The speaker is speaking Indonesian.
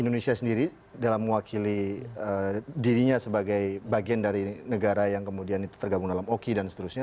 indonesia sendiri dalam mewakili dirinya sebagai bagian dari negara yang kemudian tergabung dalam oki dan seterusnya